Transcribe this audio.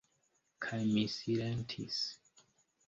Kaj mi silentis.